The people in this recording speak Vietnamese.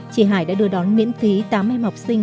chị hải đã đưa đón miễn phí tám em học sinh